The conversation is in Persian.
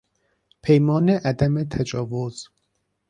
پیمان عدم تجاوز